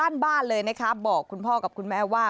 บ้านบ้านเลยนะคะบอกคุณพ่อกับคุณแม่ว่า